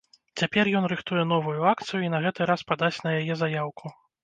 Цяпер ён рыхтуе новую акцыю і на гэты раз падасць на яе заяўку.